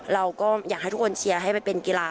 เราก็อยากให้ทุกคนเชียร์ให้ไปเป็นกีฬา